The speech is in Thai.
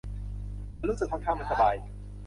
ฉันรู้สึกค่อนข้างไม่สบาย